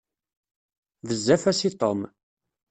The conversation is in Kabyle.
Bezzaf-as i Tom.